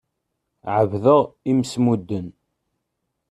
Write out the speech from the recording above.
Ɛebdeɣ imsemmuden.